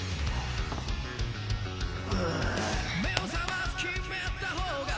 ああ。